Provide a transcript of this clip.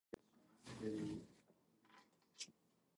The one was humanity, and the other was art.